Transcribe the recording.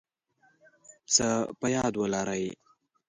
څه په یاد ولرئ